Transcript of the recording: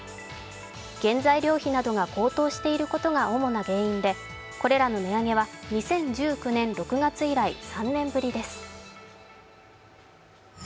原材料費が高騰していることが主な原因でこれらの値上げは２０１９年６月以来３年ぶりです。